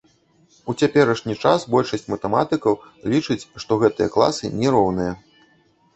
У цяперашні час большасць матэматыкаў лічыць, што гэтыя класы не роўныя.